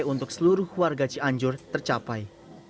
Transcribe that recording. untuk seluruh warga cianjur tercapai